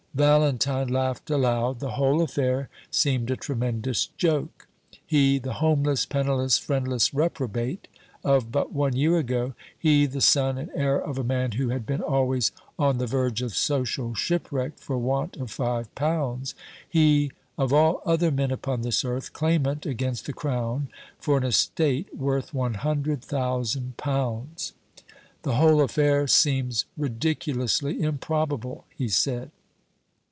Valentine laughed aloud; the whole affair seemed a tremendous joke. He, the homeless, penniless, friendless reprobate of but one year ago he, the son and heir of a man who had been always on the verge of social shipwreck for want of five pounds he, of all other men upon this earth, claimant against the Crown for an estate worth one hundred thousand pounds! "The whole affair seems ridiculously improbable," he said.